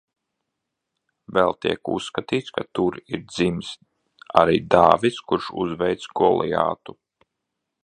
Vēl tiek uzskatīts, ka tur ir dzimis arī Dāvids, kurš uzveica Goliātu.